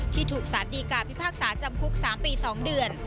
ที่ถูกสารดีกาพิพากษาจำคุก๓ปี๒เดือน